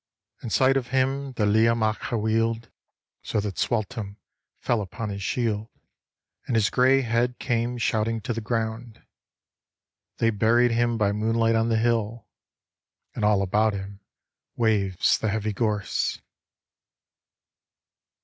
At sight of him the Lia Macha wheeled, So that Sualtem fell upon his shield, And his grey head came shouting to the ground. They buried him by moonlight on the hill, And all about him waves the heavy gorse.